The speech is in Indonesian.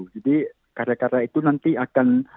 jadi karya karya itu nanti akan